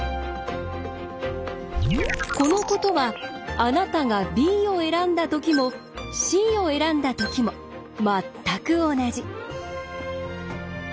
このことはあなたがＢを選んだときもＣを選んだときも全く同じ。